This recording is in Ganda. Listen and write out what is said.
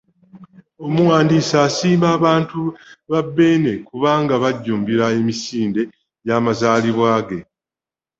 Omuwandiisi asiima abantu ba Bbeene kubanga bajjumbira emisinde gy’amazaalibwa ge.